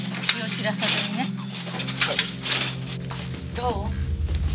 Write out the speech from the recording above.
どう？